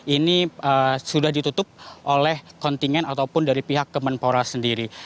ini sudah ditutup oleh kontingen ataupun dari pihak kemenpora sendiri